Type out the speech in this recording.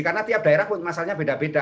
karena tiap daerah pun masalahnya beda beda